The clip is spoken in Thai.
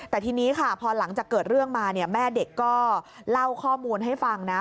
แต่ทีนี้ค่ะพอหลังจากเกิดเรื่องมาเนี่ยแม่เด็กก็เล่าข้อมูลให้ฟังนะ